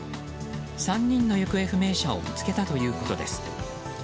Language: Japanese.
３人の行方不明者を見つけたということです。